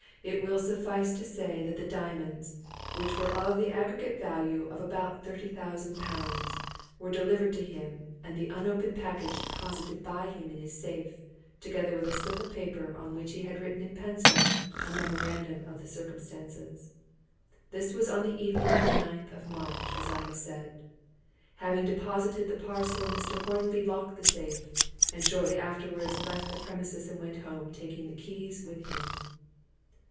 It will suffice to say that the diamonds, which were of the aggregate value of about thirty thousand pounds, were delivered to him, and the unopened package deposited by him in his safe, together with a slip of paper on which he had written in pencil a memorandum of the circumstances. This was on the evening of the ninth of March, as I have said. Having deposited the parcel, Mr. Hornby locked the safe, and shortly afterwards left the premises and went home, taking the keys with him.